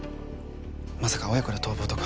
まさか親子で逃亡とか。